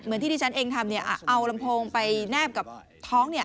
เหมือนที่ที่ฉันเองทำเอาลำโพงไปแนบกับท้อง